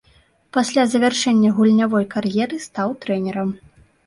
Пасля завяршэння гульнявой кар'еры стаў трэнерам.